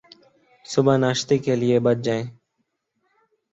صبح ناشتے کے لئے بچ جائیں